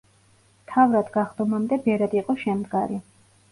მთავრად გახდომამდე ბერად იყო შემდგარი.